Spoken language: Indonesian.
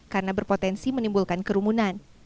karena berpotensi menimbulkan kerumunan